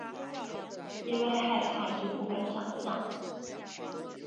因为害怕就不敢想像